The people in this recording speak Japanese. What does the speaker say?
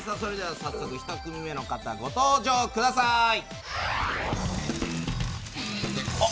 早速１組目の方ご登場ください。